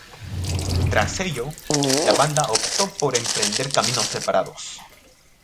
Tras ello, la banda optó por emprender caminos separados.